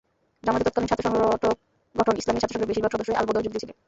জামায়াতের তৎকালীন ছাত্রসংগঠন ইসলামী ছাত্রসংঘের বেশির ভাগ সদস্যই আলবদরে যোগ দিয়েছিল।